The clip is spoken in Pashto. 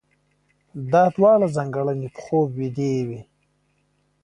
دا دواړه ځانګړنې په خوب ويدې وي.